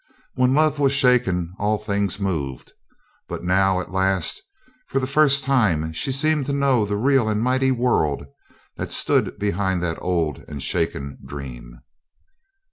When love was shaken all things moved, but now, at last, for the first time she seemed to know the real and mighty world that stood behind that old and shaken dream.